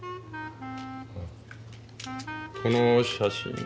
この写真。